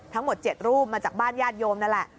ทั้งหมด๗รูปมาจากบ้านญาติโยมนั่นแหละ